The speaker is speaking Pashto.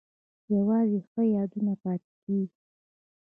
یوازې ښه یادونه پاتې کیږي؟